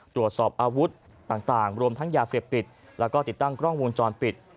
ตรวจสอบอาวุธต่างรวมทั้งยาเสพติดแล้วก็ติดตั้งกล้องวงจรปิด